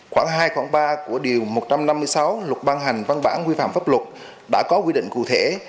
khoảng hai khoảng ba của điều một trăm năm mươi sáu luật ban hành văn bản quy phạm pháp luật đã có quy định cụ thể